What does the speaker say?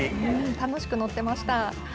楽しく乗ってました。